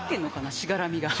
しがらみが。